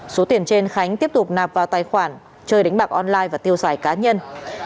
số tiền trên khánh tiếp tục nạp vào tài khoản chơi đánh bạc online và tiêu xài cá nhân